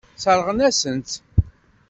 Sseṛɣen-asen-tt.